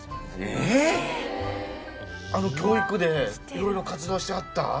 えぇ⁉あの教育でいろいろ活動してはった